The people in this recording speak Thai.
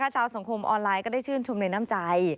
ชาวสังคมออนไลน์ก็ได้ชื่นชมในน้ำใจ